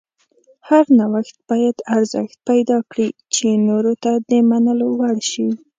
هر نوښت باید ارزښت پیدا کړي چې نورو ته د منلو وړ شي.